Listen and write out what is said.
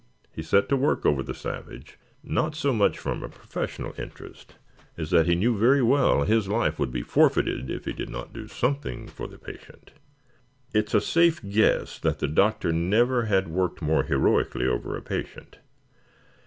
He set to work over the savage, not so much from a professional interest as that he knew very well his life would be forfeited did he not do something for the patient. It is a safe guess that the Doctor never had worked more heroically over a patient.